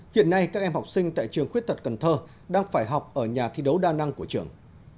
hiện nay các em học sinh tại trường khuyết tật cần thơ đang phải học ở nhà thi đấu đa năng của trường